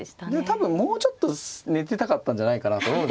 多分もうちょっと寝てたかったんじゃないかなと思うんですけど。